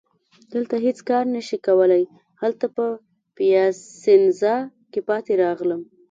دلته هیڅ کار نه شي کولای، هلته په پیاسینزا کي پاتې راغلم.